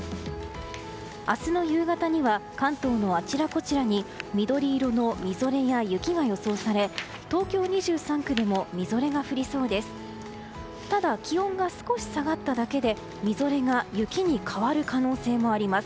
明日の夕方には関東のあちらこちらに緑色のみぞれや雪が予想され東京２３区にもみぞれが降りそうです。